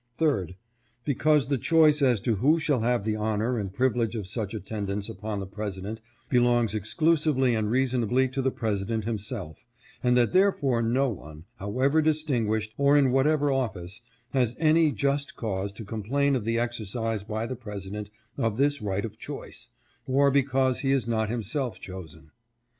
3d. Because the choice as to who shall have the honor and privilege of such attendance upon the Presi dent belongs exclusively and reasonably to the President himself, and that therefore no one, however distinguished, or in whatever office, has any just cause to complain of the exercise by the President of this right of choice, or because he is not himself chosen.